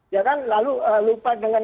ya kan lalu lupa dengan